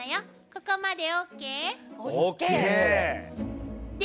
ここまでＯＫ？ＯＫ！